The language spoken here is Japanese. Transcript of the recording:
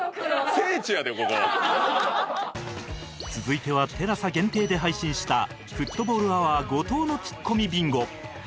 続いては ＴＥＬＡＳＡ 限定で配信したフットボールアワー後藤のツッコミビンゴ